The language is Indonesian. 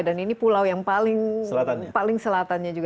dan ini pulau yang paling selatannya juga